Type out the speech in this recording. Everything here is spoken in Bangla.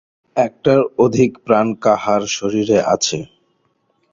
একটার অধিক প্রাণ কাহার শরীরে আছে।